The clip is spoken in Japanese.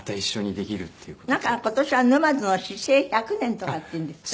今年は沼津の市政１００年とかっていうんですって？